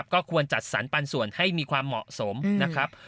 ก็ควรจัดสรรปันส่วนให้มีความเหมาะสมนะครับ